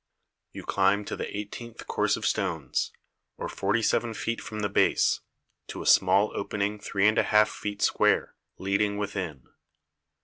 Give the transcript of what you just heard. You climb to the eighteenth course of stones, or forty seven feet from the base, to a small opening three and a half feet square, leading within.